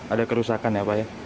ada kerusakan ya pak ya